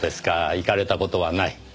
行かれた事はない。